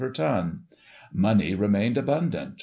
[1845 per ton. Money remained abundant.